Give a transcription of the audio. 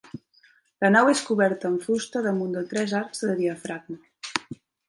La nau és coberta amb de fusta damunt de tres arcs de diafragma.